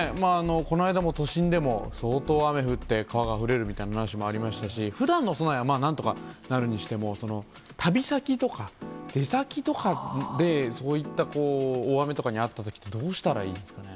この間も、都心でも相当雨降って、川があふれるみたいな話もありましたし、ふだんの備えはまあ、なんとかなるにしても、旅先とか、出先とかで、そういったこう、大雨とかにあったとき、どうしたらいいですかね？